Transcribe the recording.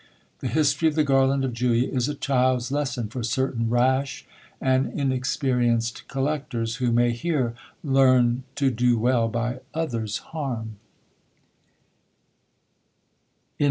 The history of the Garland of Julia is a child's lesson for certain rash and inexperienced collectors, who may here Learn to do well by others harm.